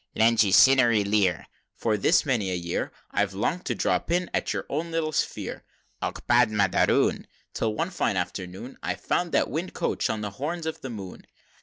XXXIV. "Lang sinery lear, For this many a year, I've long'd to drop in at your own little sphere, Och, pad mad aroon Till one fine afternoon, I found that Wind Coach on the horns of the Moon."